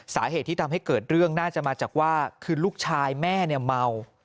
สาเหตุที่ทำให้เกิดเรื่องน่าจะมาจากว่าคือลูกชายแม่เนี่ยเมา